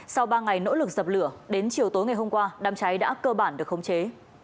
sau ba ngày nỗ lực dập lửa đến chiều tối ngày hôm qua đám cháy đã cơ bản được khống chế